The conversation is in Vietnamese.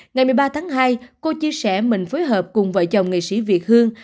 ngày một mươi ba tháng hai cô chia sẻ mình phối hợp cùng vợ chồng nghệ sĩ việt hương